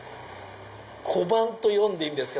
コバンと読んでいいんですか？